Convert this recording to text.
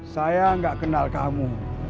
saya gak kenal kamu